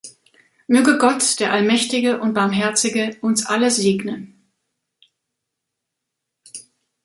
Möge Gott, der Allmächtige und Barmherzige, uns alle segnen.